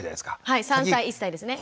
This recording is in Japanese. はい３歳１歳ですね。